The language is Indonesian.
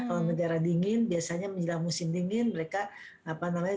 kalau negara dingin biasanya menjelang musim dingin mereka apa namanya